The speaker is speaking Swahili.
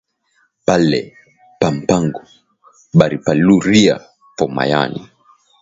Pale pa mpango, bari paluriya po mayani